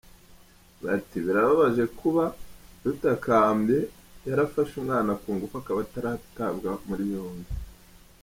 Bati “birababaje kuba Dutakambe yarafashe umwana ku ngufu, akaba ataratabwa muri yombi.